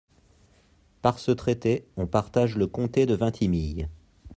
Par ce traité on partage le comté de Vintimille.